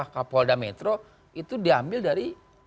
kapolda metro itu diambil dari